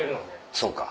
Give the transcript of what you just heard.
そうか。